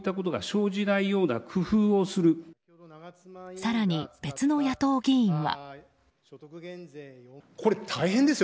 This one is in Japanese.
更に別の野党議員は。